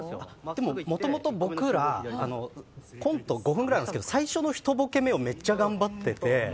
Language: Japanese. でも、もともと僕らコント５分くらいなんですけど最初の１ボケ目をめっちゃ頑張ってて。